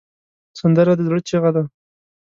سندره د زړه چیغه ده